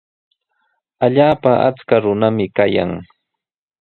Allaapa achka runami kayan.